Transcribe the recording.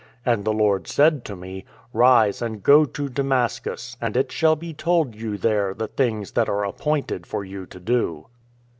'" And the Lord said to me :"* Rise, and go to Damascus ; and it shall be told you there the things that are appointed for you to do.'